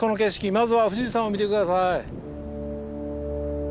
まずは富士山を見て下さい。